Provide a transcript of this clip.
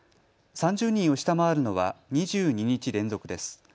３０人を下回るのは２２日連続です。